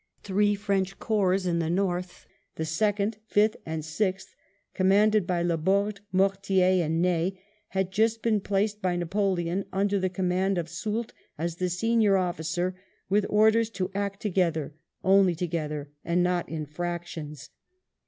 Three French corps in the north, the Second, Fifth, and Sixth, commanded by Laborde, Mortier, and Ney, had just been placed by Napoleon under the command of Soult as the senior officer, with orders to act together, only together and not in fractions.